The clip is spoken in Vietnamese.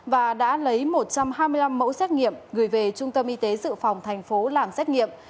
và đã lấy một trăm hai mươi năm mẫu xét nghiệm gửi về trung tâm y tế dự phòng thành phố làm xét nghiệm